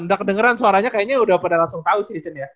udah kedengeran suaranya kayaknya udah pada langsung tau sih ya cen ya